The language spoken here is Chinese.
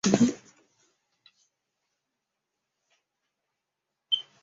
本属物种只见于澳大利亚昆士兰州的西北部。